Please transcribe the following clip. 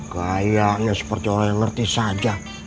kayaknya seperti orang yang ngerti saja